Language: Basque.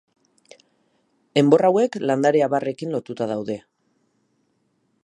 Enbor hauek landare abarrekin lotuta daude.